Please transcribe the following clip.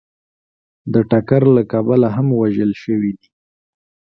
د ټکر له کبله هم وژل شوي دي